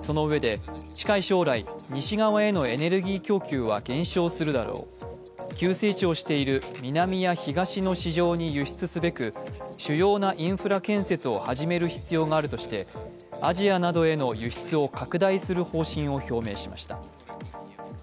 そのうえで、近い将来、西側へのエネルギー供給は減少するだろう、急成長している南や東の市場に輸出すべく主要なインフラ建設を始める必要があるとしてアジアなどへの輸出を拡大する方針を表明しました。